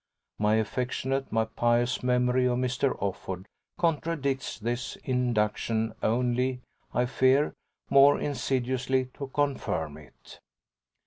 My affectionate, my pious memory of Mr. Offord contradicts this induction only, I fear, more insidiously to confirm it.